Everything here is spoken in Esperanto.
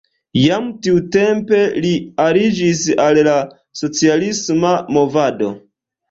Jam tiutempe li aliĝis al la socialisma movado.